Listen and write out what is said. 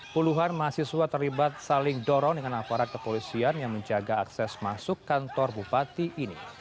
puluhan mahasiswa terlibat saling dorong dengan aparat kepolisian yang menjaga akses masuk kantor bupati ini